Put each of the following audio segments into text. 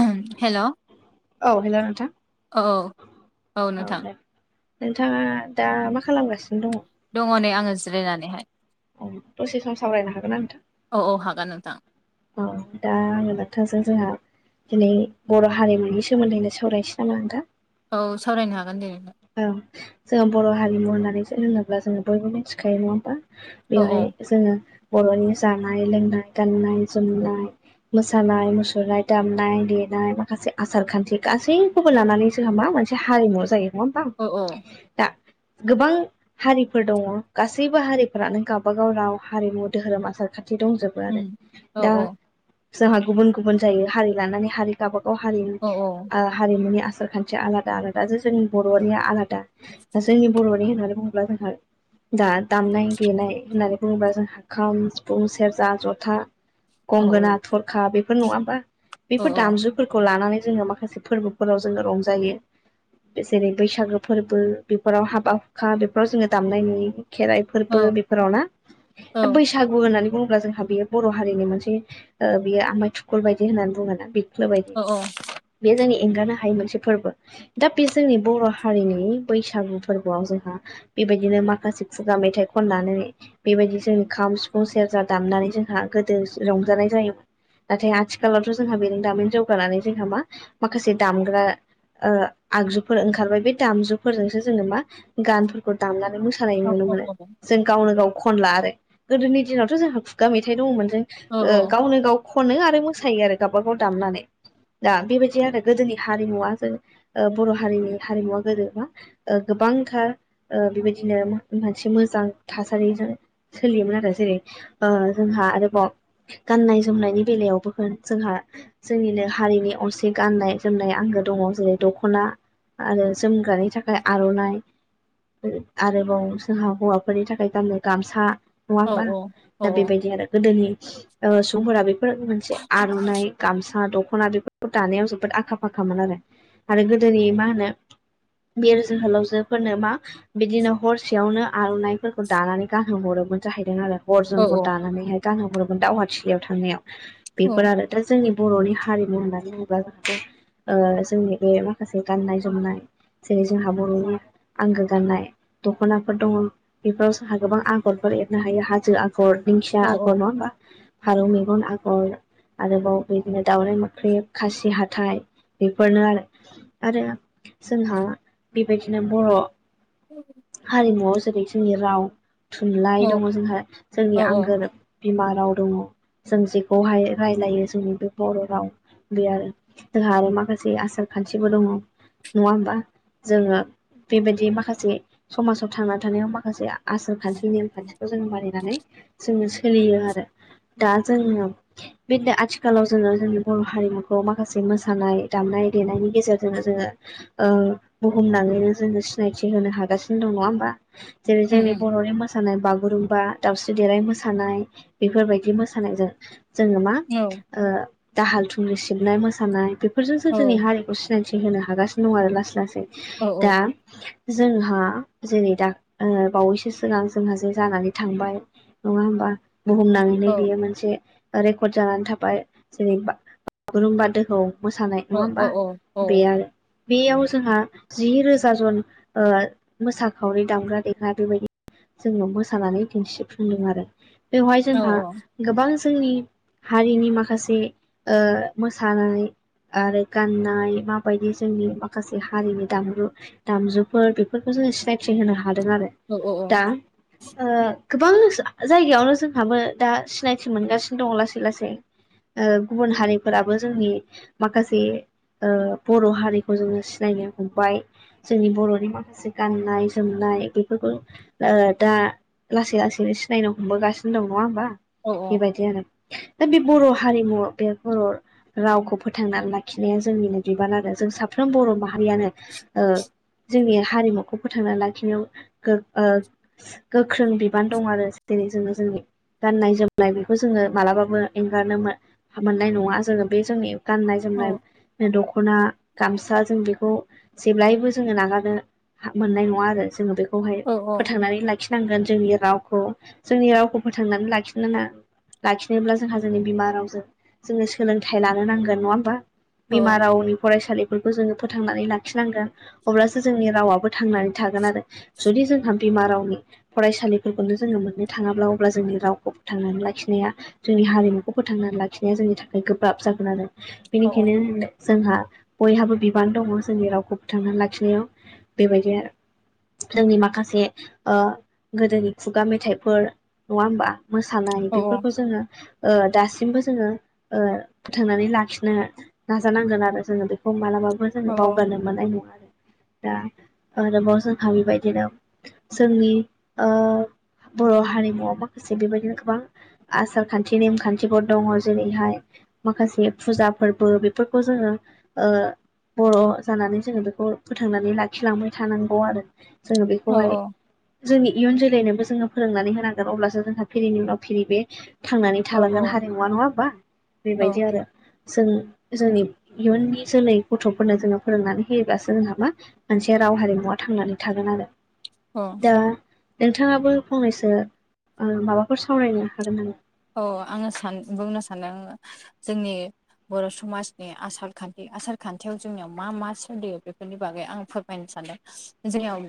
ओय हेल' औ हेल' नोंथां औ औ दे नोंथाङा दा मा खालामगासिनो दङ दङ नै आङो जिरायनानैहाय अ दसे सम सावरायनो हागोना नोंथां? औ औ हागोन नोंथां औ दा आङो बा [unintelligible] जोंहा दिनै बर' हारिमुनि सोमोन्दैनो सावरायनोसै नामा नोंथां औ सावरायनो हागोन दे नोंथां औ जोङो बर' हारिमु होननानैसो [unintelligible] ङोब्ला जोङो बयबो मिथिखायो नङा होमबा औ बेवहाय जोङो बर'नि जानाय-लोंनाय, गाननाय-जोमनाय मोसानाय-मुसुरनाय, दामनाय-देनाय माखासे आसारखान्थि गासै खौबो लानानैसो जोंहा मा मोनसे हारिमुआव जायो नङा होमबा औ औ दा गोबां हारिफोर दङ गासैबो हारिफोरानो गाबागाव राव हारिमु दोहोरोम आसारखान्थि दंजोब बो आरो उम औ दा औ जोंहा गुबुन-गुबुन जायो हारि लानानै हारि गावबागाव हारि औ ओ हारिमुनि आसार खान्थिया आलादा आलादा जे जोंनि बर' निया आलादा दा जोंनि बर' [unintelligible] होननानै बुंङोब्ला जोंहा दा दामनाय देनाय होननानै बुङोब्ला जोंहा खाम, सिफुं, सेरजा, जथा औ गंगोना, थरखा बेफोर नङा होमबा औ बेफोर दामजु फोरखौ लानानै जोङो माखासे फोरबोफोराव जोङो रंजायो। जेरै बैसागो फोरबो बेफोराव हाबा हुखा बेफोराव जोङो दामनाय नुयो खेराइ फोरबो बेफोराव ना औ दा बैसागु होननानै बुङोब्ला जोंहा बेयो बर' हारिनि मोनसे ओ बियो आमाइ थुखल बायदि होननानै बुङोना बिख्लो बाय औ अ बे जोंनि एंगारनो हायै मोनसे फोरबो। दा बे जोंनि बर' हारिनि बैसागु फोरबोआव जोंहा बेबायदिनो माखासे खुगा मेथाइ खननानै बेबायदि जों खाम, सिफुं, सेरजा दामनानै जोंहा गोदो रंजानाय जायो नाथाय आथिखालावथ' जोंहा बेजों दामिन जौगानानै जोंहा मा माखासे दामग्रा ओ आगजुफोर ओंखारबाय बे दामजुफोरजोंसो जोङो मा गानफोरखौ दामनानै मोसा मोसानाय नुनो मोनो औ जों गावनो गाव खनला आरो गोदोनि दिनावथ' जोंहा खुगा मेथाइ दङमोन जों औ ओ गावनो गाव खनो आरो मोसायो आरो गावबागाव दामनानै। दा बेबायदि आरो गोदोनि हारिमुवा जों ओ बर' हारिनि हारिमुवा गोदो बा ओ गोबांथार ओ बेबायदिनो मोनसे मोजां थासारिजों सोलियोमोन आरो जेरै ओ जोंहा आरोबाव गाननाय जोमनायनि बेलायावबो होन जोंहा जोंनिनो हारिनि असे गाननाय जोमनाय आंगो दङ जेरै दख'ना आरो जोमग्रानि थाखाय आर'नाइ। आरोबाव जोंहा हौवाफोरनि थाखाय गाननो गामसा। नङा होमबा दा बेबायदि आरो गोदोनि ओ सुबुंफोरा बेफोर मोनसे आर'नाइ गामसा दख'ना बेफोरखौ दानायाव जोबोद आखा फाखामोन आरो आरो गोदोनि मा होनो बिर जोहोलावजोफोरनो मा बिदिनो हरसेयावनो आर'नाइफोरखौ दानानै गानहो हरोमोन जाहैदों आरो। औ हरजों हर दानानैहाय गानहो हरोमोन दावहाथिलियाव थांनायाव बेफोर आरो। दा जोंनि बर'नि हारिमु होननानै बुङोब्ला [unintelligible] ओ जोंनि बे माखासे गाननाय जोमनाय जेरै जोंहा आंगो गाननाय दख'नाफोर दङ बेफोराव जोंहा गोबां आगरफोर एरनो हायो हाजो आगर दिंखिया औ आगर नङा होमबा फारौ मेगन आगर आरोबाव बिदिनो दावराइ मोख्रेब खासि हाथाय बेफोरनो आरो। आरो जोंहा बेबायदिनो बर' हारिमुआव जेरै जोंनि राव थुनलाइ दङ औ जोंहा जोंनिया बिमा राव दङ। जों जेखौहाय रायलायो जोंनि बे बर' राव बे आरो। जोंहा आरो माखासे आसार खान्थिबो दङ। नङा होमबा जोङो बेबायदि माखासे समाजाव थांना थानायाव माखासे आसार खान्थि नेमखान्थिखौ जोंङो मानिनानै जोङो सोलियो आरो दा जोङो बिदिनो आथिखालाव जोङो जोंनि बर' हारिमुखौ माखासे मोसानाय दामनाय देनायनि गेजेरजोंनो जोङो ओ बुहुमनाङैनो जोङो सिनायथि होनो हागासिनो दं नङा होमबा? जेरै उम जोंनि उम बर'नि मोसानाय बागुरुम्बा दाउस्रि देलाय मोसा मोसानाय बेफोरबायदि मोसानायजों जोङो मा औ ओ दाहाल थुंग्रि सिबनाय मोसानाय बेफोरजोंसो जोंनि औ हारि खौ सिनायथि होनो हागासिनो दं आरो लासै लासै औ दा जोंहा जेरै दा बावैसो सिगां जोंहा जे जानानै थांबाय नङा होमबा बुहुमनाङैनो बियो मोनसे रेकर्ड जानानै थाबाय जेरैा बागुरुम्बा दोहौ। मोसानाय नङा औ होमबा बे औ आरो। बेयाव जोंहा जि रोजा जन मोसाखावरि दामग्रा देग्रा बेबायदि जोंनाव मोसानानै दिन्थिफुंदों आरो बेवहाय जोंहा औ गोबां जोंनि हारिनि माखासे मोसानानै आरो गाननाय माबायदि जोंनि माखासे हारिनि दामजु दामजुफोर बेफोरखौ जोो सिनायथि होनो हादों आरो। दा औ गोबां जायगायावनो जोंहाबो दा सिनायथि मोनगासिनो दं लासै लासै गुबुन हारिफोराबो जोंनि माखासे बर' हारिखौ जोङो सिनायनो हमबाय। जोंनि बर'नि माखासे गाननाय जोमनाय बेफोरखौ दा लासै लासैनो सिनायनो हमबोगासिनो दं नङा होमबा बेबायदि आरो। दा बे बर' हारिमु बे बर' रावखौ फोथांनानै लाखिनाया जोंनिनो बिबान आरो जों साफ्रोम बर' माहारियानो जोंनि हारिमुखौ फोथांना लाखिनायाव गो ओ गोख्रों बिबान दं आरो। जेरै जोङो जोंनि गाननाय जोमनाय बेखौ जोङो मालाबाबो एंगारनो मोन मोननाय नङा जोङो बे जोंनि गाननाय औ जोमनाय दख'ना गामसा जों बेखौ जेब्लायबो जोङो नागारनो मोननाय नङा आरो जोङो बे खौहाय फोथांनानै लाखिनांगोन जोंनि रावखौ। जोंनि रावखौ फोथांनानै लाखिनोना लाखिनोब्ला जोंहा जोंनि बिमा रावजों जोंङनो सोलोंथाइ लानो नांगोन नङा होमबा? बिमा रावनि फरायसालि बेफोरखौ जोङो फोथांनानै लाखिनांगोन अब्लासो जोंनि रावाबो थांनानै थागोन आरो। जुदि जोंहा बिमा रावनि फरायसालिफोरखौनो जोङो मोननो थाङाब्ला अब्ला जोंनि रावखौ फोथांनानै लाखिनाया जोंनि हारिमुखौ फोथांनानै लाखिनाया जोंनि थाखाय गोब्राब जागोन आरो बेनिखायनो जोंहा बयहाबो बिबान दङ जोंनि रावखौ फोथांनानै लाखिनायाव बेबायदि आरो। जोंनि माखासे गोदोनि खुगा मेथाइ फोर नङा होमबा मोसानाय बेफोरखौ जोङो ओ दासिमबो जोङो ओ फोथांनानै लाखिनो नाजानांगोन आरो जोङो बेखौ मालाबाबो औ जोङो औ बावगारनो मोननाय नङा। दा आरोबाव जोंहा बेबायदिनो जोंनि ओ बर' हारिमुआव माखासे बेबायदिनो गोबां आसार खान्थि नेमखान्थिफोर दङ जेरैहाय माखासे फुजा फोरबो बेफोरखौ जोङो ओ बर' जानानै जोङो बेखौ फोथांनानै लाखिलांबाय थानांगौ आरो। जोङो औ बेखौहाय जोंनि इयुन जोलैनोबो जोङो फोरोंनानै होनांगोन। अब्लासो जोंहा फिरिनि उनाव फिरि बे थांनानै औ थालांगोन हारिमुवा नङा होमबा औ बेबायदि आरो। जों जोंनि इयुननि जोलै गथ'फोरनो जोङो फोरोंनानै होयोब्लासो जोंहा मा मोनसे राव हारिमुवा थांनानै थागोन आरो। औ दा नोंथाङाबो फंनैसो माबाफोर सावरायनो हागोन नामा? औ आङो सान बुंनो सानदों आङो जोंनि बर' समाजनि आसार खान्थि आसार खान्थियाव जोंनियाव मा मा सोलियो बेफोरनि बागै आं फोरमायनो सानदों। जयाव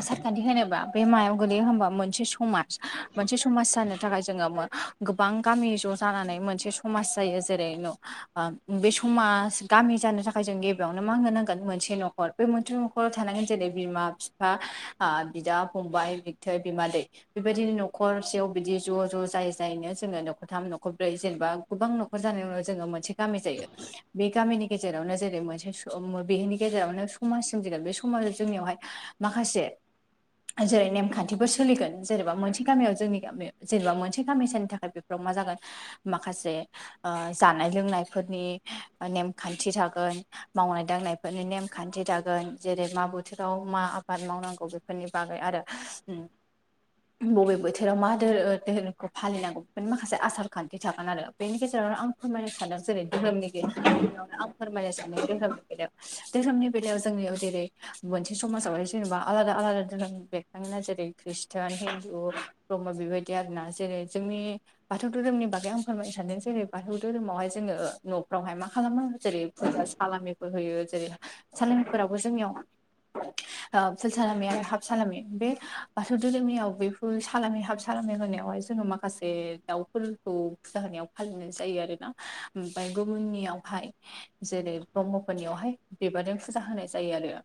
आसारखान्थि होनोबा बे मायाव गोलैयो होनबा मोनसे समाज मोनसे समाज जानो थाखाय जोङो गोबां गामि ज' जानानै मोनसे समाज जायो जेरै न' बे समाज गामि जानो थाखाय जों गिबियावनो मांनो नांगोन मोनसे न'खर। मोनफ्रोम न'खराव थानांगोन जेरै बिमा फिफा, बिदा फंबाय, बिबथै बिमादै। बेबायदिनो न'खरसेयाव बिदि ज' ज' जायै जायैनो जोङो न'खरथाम न'खरब्रै जेनेबा गोबां न'खर जानायावनो जोङो मोनसे गामि जायो। बे गामिनि गेजेरावनो जेरै मोनसे बेनि गेजेरावनो समाजसिम जेरोन बे समाज जोंनियावहाय माखासे जेरै नेमखान्थिफोर सोलिगोन जेनेबा मोनसे गामियाव जोंनि गामियाव जेनेबा मोनसे गामिसनि थाखाय बेफोराव मा जागोन माखासे जानाय लोंनायफोरनि नेमखान्थि थागोन। मावनाय दांनायफोरनि नेमखान्थि दागोन जेरै मा बोथोराव मा आबाद मावनांगौ बे फोरनि बागै आरो बबे बोथोराव मा धोरोमखौ फालिनांगौ बेफोरनि माखासे आसार खान्थि थागोन आरो बेनि गेजेरावनो आं फोरमायनो सानदों जेरै धोरोम [unintelligible] आं फोरमायनो सानदों दोहोरोमनि बेलायाव। बे समनि बेलायाव जोंनि ओ जेरै मोनसे समाजावहाय जेनेबा आलादा आलादा धोरोम बे जेरै खृषटियान हिन्दु ब्रह्मा बेबायदि आरोना जेरै जोंनि बाथौ धोरोमनि बागै आं फोरमायनो सानदों जेरै बाथौ धोरोमावहाय जोङो ओ न'फ्रावहाय मा खालामो जेरै सालामिफोर होयो जेरै सालामिफोराबो जोंनियाव ओ फुल सालामि आरो हाब सालामि बे बाथौ धोरोमनियाव बेफोर सालामि हाब साे होनायावहाय जोङो माखासे दाउफोरखौ फुजा होनायाव फालिनाय जायो आरो ना। ओमफफ्राय गुबुननियावहाय जेरै ब्रह्मफोरनियावहाय बिबारजों फुजा होनाय जायो आरो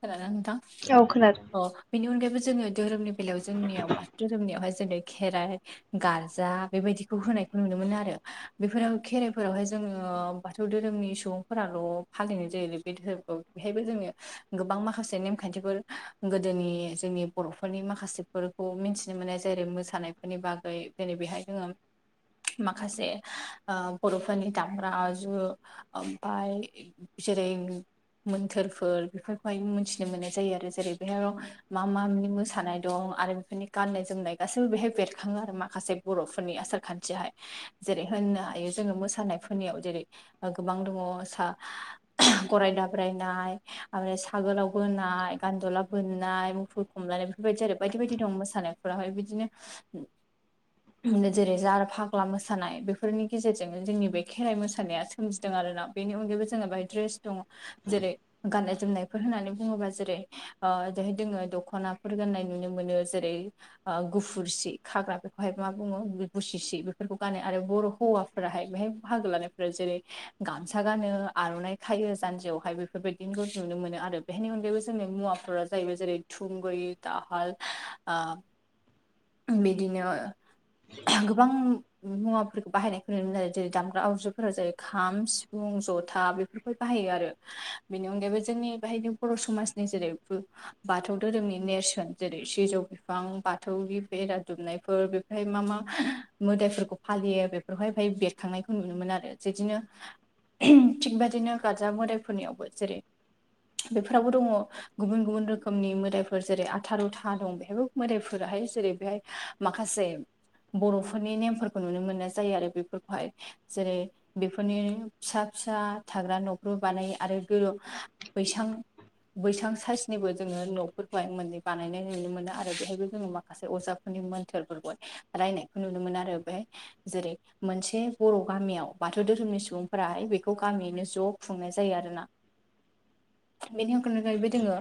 खोनादोंना नोंथां? ओ खोनादों। अ बेनि अनगायैबो जोङो धोरोमनि बेलायाव जोंनियाव बाथौ धोरोमनियावहाय जेरै खेराइ गारजा बेबायदिखौ होनायखौ नुनो मोनो आरो बेफोराव खेराइफोरावहाय जोङो बाथौ धोरोमनि सुबुंफोराल' फालिनाय जायो बे धोरोमखौ बेहायबो जोङो गोबां माखासे नेमखान्थिफोर गोदोनि जोंनि बर'फोरनि माखासेफोरखौ मिथि मिथिनो मोननाय जेरै मोसानायफोरनि बागै जेरै बेहाय जोङो माखासे बर'फोरनि ओ दामग्रा आजु ओमफाय जेरै मोन्थोरफोर बेफोरखौहाय मोनथिनो मोननाय जायो आरो जेरै बेहाय मा मा मानि मोसानाय दं आरो बेफोरनि गाननाय-जोमनाय गासैबो बेहाय बेरखाङो आरो माखासे बर'फोरनि आसार खान्थियहाय जेरै होननो हायो जोङो मोसानायफोरनियाव जेरै गोबां दङ सा गराय दाब्रायनाय ओमफ्राय सागोलाव बोनाय गान्दला बोननाय मुखुर हमलानाय बेफोरबायदि आरो बायदि बायदि दं मोसानायफोरावहाय बिदिनो जेरै जार फाग्ला मोसानाय बेफोरनि गेजेरजोंनो जोंनि बे खेराइ मोसानाया सोमजिदों आरोना बेनि अनगायैबो जोंहा बेहाय ड्रेस दङ जेरै गाननाय-जोमनाय फोर होननानै बुङोबा जेरै ओ जहाय जोङो दख'नाफोर गान्नाय नुनो मोनो जेरै ओ गुफुर सि खाग्रा बेखौहाय मा बुङो गुसि सि बेफोरखौ गानो आरो बर' हौवा फोराहाय बेहाय बाहागो लानायफोरा जेरै गामसा गानो आर'नाइ खायो जानजियावहाय बेफोर बेफोरबायदिखौ नुनो मोनो आरो बेहायनि अनगैबो जोंनि मुवाफोरा जाहैबाय जेरै थुंगयि, दाहाल ओ बिदिनो गोबां मुवाफोरखौ बाहायनायखौ नुनो मोनो जेरै दामग्रा आबजुफोरा जायोै खाम, सिफुं, जथा बेफोरफोरखौ बाहायो आरो बेनि अनगायैबो जोंनि बेहायनो बर' समाजनि जेरै बाथौ धोरोमनि नेरसोन जेरै सिजौ गोबां बाथौ फेरा दुमनायफोर बेफ्रायाय मा मा मोदाइफोरखौ फालियो बे बेहायाय ओफाय बेरखांनायखौ नुनो मोन आरो बिदिनो थिग बादिनो गारजा मदायफोरनियावबो जेरै बेफोरावबो दङ गुबुन गुबुन रोखोमनि मोदायफोर जेरै आथा रुथा दं बेहायबो मोदायफोराहाय जेरै बेहाय माखासे बर'फोरनि नेमफोरखौ नुनो मोननाय जायो आरो बेफोरखौहाय जेरै बेफोरनि फिसा फिसा थाग्रा न'खर बानायो आरो गोरो बैसां बैसां साइसनिबो जोङो न'फोरखौहाय मोननै बानायनाय नुनो मोनो आरो आरो बेहायबो जोङो माखासे अजाफोरनि मोन्थोरफोरखौ रायनायखौ नुनो मोनो आरो बेहाय जेरै मोनसे बर' गामियाव बाथौ धोरोमनि सुबुंफोराहाय बेखौ गामियैनो ज' खुंनाय जायो आरोना । बेनि अनगायनो जाहैबाय दोङो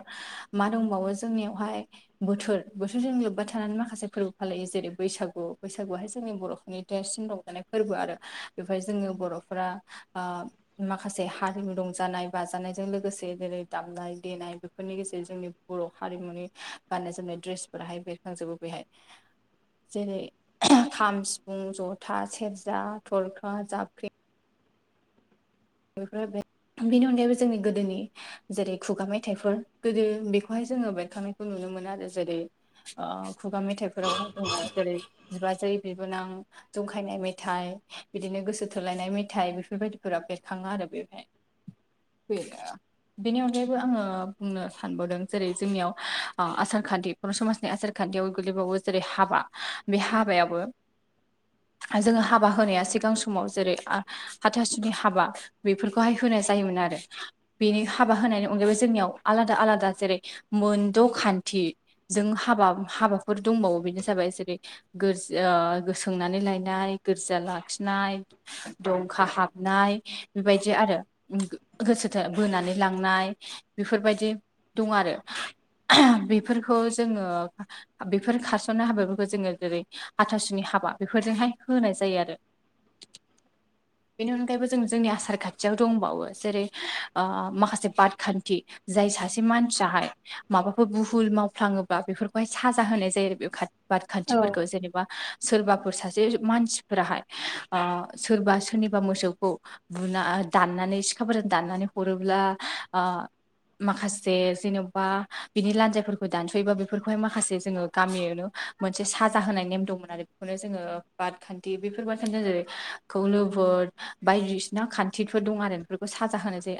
मा दंबावो जोंनियावहाय बोथोर बोथोरजों लोब्बा थानानै माखासे फोरबो फालियो जेरै बैसागु बैसागुआहाय जोंनि बर'फोरनि देरसिन रंजानाय फोरबो आरो बेवहाय जोङो बर'फोरा ओ माखासे हारिमु रंजानाय बाजानायजों लोगोसे जेरै दामनाय-देनाय बेफोरनि गेजेर जोंनि बर' हारिमुनि गाननाय-जोमनाय द्रेसफोराहाय बेरखांजोबो बेहाय। जेरै खाम, सिफुं, जथा, सेरजा, थरखा, जाबख्रि बेफोर बेनि अनगायैबो जोंनि गोदोनि जेरै खुगा मेथाइफोर गोदो बेखौहाय जोङो बेरखांनायखौ नुनो मोनो आरो जेरै। खुगा मेथाइफोराव दङ जेरै बिबाजै बिबोनां। जंखायनाय मेथाइ बिदिनो गोसो थोलायनाय मेथाइ बेफोरबायदिफोरा बे। थाङा आरो बेवहाय बेनि अनगायैबो आङो बुंनो सानबोदों जेरै जोंनियाव ओ आसारखान्थि। बर' समाजनि आसार खान्थियाव गोलैबावो जेरै हाबा बे हाबायाबो। [inaudible] जोङो हाबा होनाया सिगां समाव जेरै हाथासुनि हाबा। बेफोरखौहाय होनाय जायोमोन आरो। बेनि हाबा होनायनि अनगायैबो जोंनियाव आलादा आलादा जेरै मोनद' खान्थि। जों हाबा हाबाफोर दंबावो बेनो जाबाय एसोरै। गोरज सोंनानै लायनाय गोरजा लाखिनाय। दंखा हाबनाय। बेबायदि आरो गोसोथो बोनानै लांनाय बेफोरबायदि। दं आरो बेफोरखौ जोङो। बेफोर खारसननाय हाबाफोरखौ जोङो जेरै हाथासुनि हाबा बेफोरजोंहाय होनाय जायो आरो। [inaudible] बे अनगायैबो जों जोंनि आसाम। आसार खाथियाव दंबावो जेरै माखासे बादखान्थि। जाय सासे मानसियाहाय माबाफोर भुहुल मावफ्लाङोबा बेफोरखौहाय साजा होनाय जायो बे खा। बाद औ खान्थिफोरखौ जेनेबा। सोरबाफोर सासे मानसिफोराहाय ओ सोरबा सोरनिबा मोसौखौ। बुना दाननानै सिखाफोरजों दाननानै हरोब्ला। माखासे जेन'बा बिनि लान्जायफोरखौ दानस'योबा बेफोरखौहाय माखासे जोङो गामियनो। मोनसे साजा होनाय नेम दंमोन आरो बेखौनो जोङो बादखान्थि बेफोर बाद खान्थिजों जेरै खौ लुबद। बायदिसिना खान्थिफोर दं आरो नफोरखौ साजा होनाय जायो।